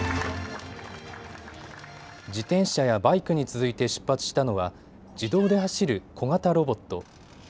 自転車やバイクに続いて出発したのは自動で走る小型ロボット。